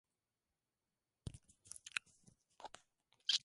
Fue estudiante de la Escuela de Estudios Avanzados de París.